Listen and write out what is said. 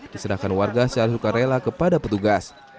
diserahkan warga secara sukarela kepada petugas